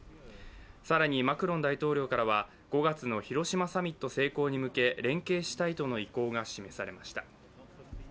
更にマクロン大統領からは５月の広島サミット成功に向け連携したいとの意向が示されました。